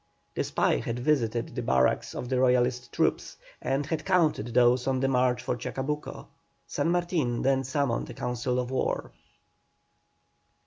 The spy had visited the barracks of the Royalist troops, and had counted those on the march for Chacabuco. San Martin then summoned a council of war.